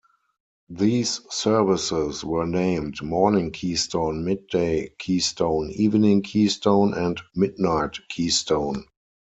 These services were named "Morning Keystone", "Midday Keystone", "Evening Keystone", and "Midnight Keystone".